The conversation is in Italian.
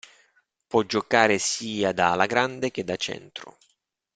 Può giocare sia da ala grande che da centro.